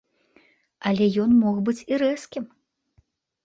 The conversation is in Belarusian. Але ён мог быць і рэзкім.